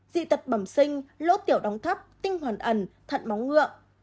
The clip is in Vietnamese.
dị tật bẩm sinh lốt tiểu đóng thấp tinh hoàn ẩn thận móng ngựa